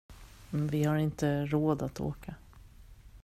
Vi har inte råd att åka.